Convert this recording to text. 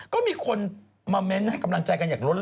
ก็มีคนมาเม้นต์ให้กำลังใจกันอย่างล้น